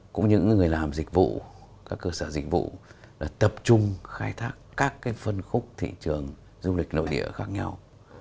cũng những người làm dịch vụ các cơ sở dịch vụ tập trung khai thác các phân khúc thị trường du lịch nội địa khác nhau